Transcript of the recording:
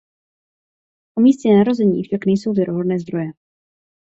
O místě narození však nejsou věrohodné zdroje.